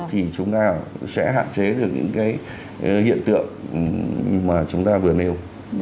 thì chúng ta sẽ hạn chế được những cái hiện tượng mà chúng ta vừa nêu